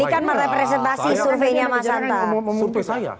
ini kan merepresentasi surveinya mas hanta